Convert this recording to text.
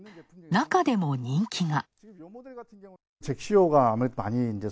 中でも人気が。